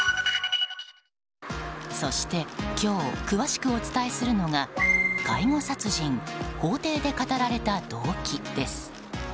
そして今日詳しくお伝えするのが介護殺人法廷で語られた動機です。